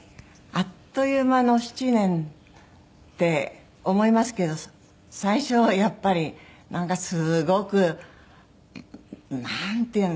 あっという間の７年って思いますけど最初はやっぱりなんかすごく。なんていう。